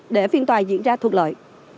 để phiên tòa diễn ra thuộc lợi